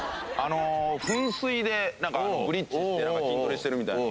噴水でブリッジして筋トレしてるみたいな。